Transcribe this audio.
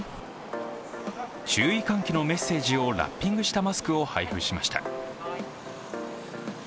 注意喚起のメッセージをラッピングしたマスクを配布しました。